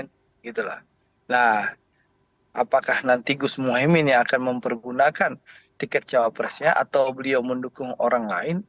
nah apakah nanti gus muhaymin yang akan mempergunakan tiket cawapresnya atau beliau mendukung orang lain